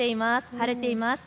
晴れています。